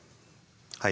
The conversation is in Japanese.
はい。